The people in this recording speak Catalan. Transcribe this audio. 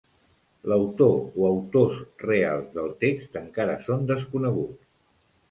L'autor o autors reals del text encara són desconeguts.